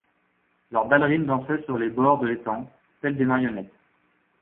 Leurs ballerines dansaient sur les bords de l'étang, telles des marionnettes.